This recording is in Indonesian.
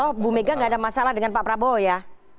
oh bu mega gak ada masalah dengan pak prabowo ya